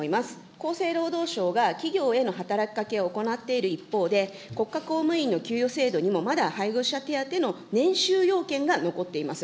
厚生労働省が企業への働きかけを行っている一方で、国家公務員の給与制度にもまだ配偶者手当の年収要件が残っています。